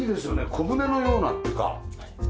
小舟のようなっていうか。